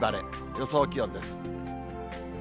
予想気温です。